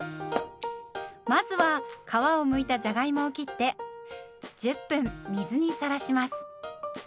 まずは皮をむいたじゃがいもを切って１０分水にさらします。